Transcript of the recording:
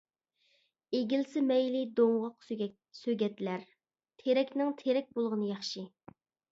ئېگىلسە مەيلى دوڭغاق سۆگەتلەر، تېرەكنىڭ تېرەك بولغىنى ياخشى.